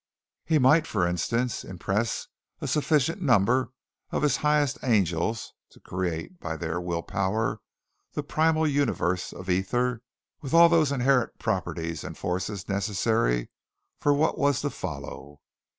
"He might, for instance, impress a sufficient number of his highest angels to create by their will power the primal universe of ether, with all those inherent properties and forces necessary for what was to follow.